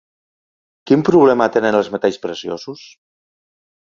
Quin problema tenen els metalls preciosos?